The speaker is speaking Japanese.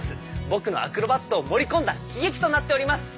僕のアクロバットを盛り込んだ喜劇となっております。